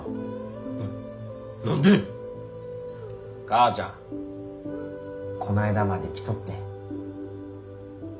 母ちゃんこないだまで来とってん。